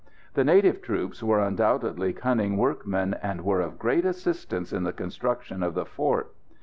The native troops were undoubtedly cunning workmen, and were of great assistance in the construction of the fort.